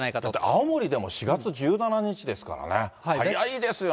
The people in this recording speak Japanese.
青森でも４月１７日ですからね、早いですよね。